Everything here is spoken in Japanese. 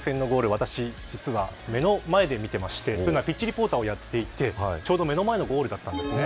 私、実は目の前で見てましてピッチリポーターをやっていてちょうど目の前のゴールだったんです。